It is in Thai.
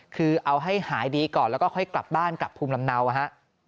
คือเอาให้หายดีก่อนแล้วก็ค่อยกลับบ้านกลับภูมิลำเนาฮะ